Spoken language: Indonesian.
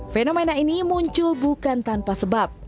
fenomena ini muncul bukan tanpa sebab